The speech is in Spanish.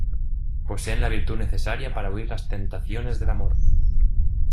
poseen la virtud necesaria para huir las tentaciones del amor.